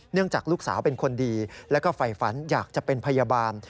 เนื่องจากลูกสาวเป็นคนดีและไฝฝันอยากจะเป็นพยาบาล